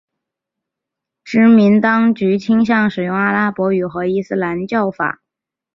殖民当局倾向使用阿拉伯语和伊斯兰教法。